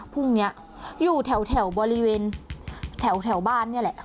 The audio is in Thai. พรุ่งเนี้ยอยู่แถวแถวบริเวณแถวแถวบ้านเนี้ยแหละ